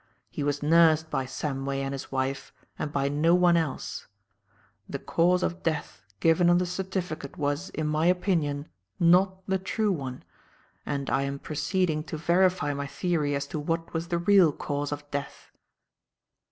He was nursed by Samway and his wife and by no one else. The cause of death given on the certificate was, in my opinion, not the true one, and I am proceeding to verify my theory as to what was the real cause of death."